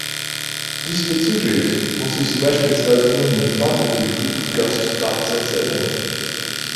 Diesbezüglich muss ich Sie beispielsweise nur an die Debatte über die Fluggastdatensätze erinnern.